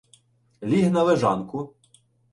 Ліг на лежанку.